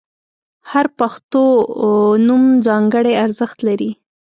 • هر پښتو نوم ځانګړی ارزښت لري.